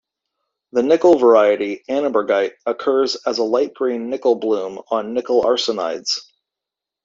The nickel variety, annabergite, occurs as a light green "nickel bloom" on nickel arsenides.